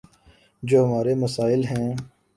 جو ہمارے مسائل ہیں۔